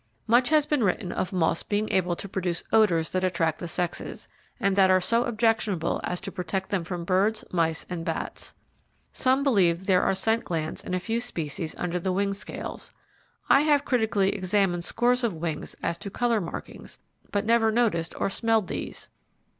Much has been written of moths being able to produce odours that attract the sexes, and that are so objectionable as to protect them from birds, mice, and bats. Some believe there are scent glands in a few species under the wing scales. I have critically examined scores of wings as to colour markings, but never noticed or smelled these.